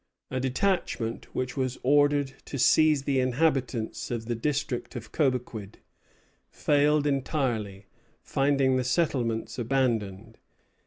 A detachment which was ordered to seize the inhabitants of the district of Cobequid failed entirely, finding the settlements abandoned.